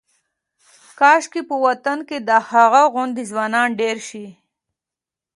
کاشکې په وطن کې د هغه غوندې ځوانان ډېر شي.